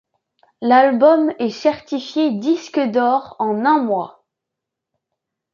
L'album est certifié disque d'or en un mois.